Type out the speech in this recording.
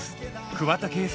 桑田佳祐